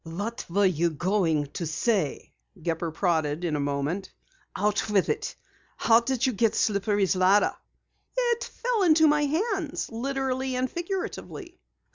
"What were you going to say?" Gepper prodded in a moment. "Out with it! How did you get Slippery's ladder?" "It fell into my hands, literally and figuratively."